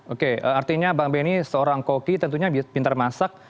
oke artinya bang benny seorang koki tentunya pintar masak